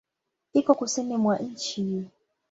Iko Kusini mwa nchi.